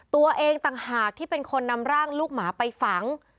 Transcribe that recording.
ตัวเองต่างหากที่เป็นคนนำร่างลูกหมาไปฝัง